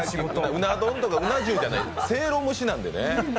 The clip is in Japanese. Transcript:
うな丼とかうな重じゃない、蒸籠蒸しなんでね。